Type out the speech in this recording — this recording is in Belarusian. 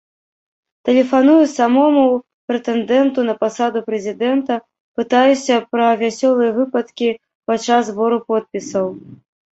Тэлефаную самому прэтэндэнту на пасаду прэзідэнта, пытаюся пра вясёлыя выпадкі падчас збору подпісаў.